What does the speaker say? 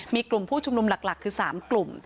มีกลุ่มผู้ชุมนุมหลักคือ๓กลุ่ม